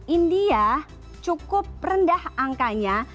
india cukup rendah angkanya